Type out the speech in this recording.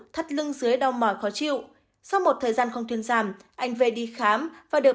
thắt lưng dưới đau mỏi khó chịu sau một thời gian không thuyên giảm anh về đi khám và được